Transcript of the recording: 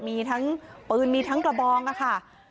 มีทั้งปืนมีทั้งกระบองค่ะ